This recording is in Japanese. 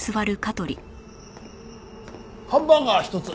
ハンバーガー１つ。